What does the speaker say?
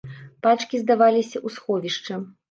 Пачкі здаваліся ў сховішча.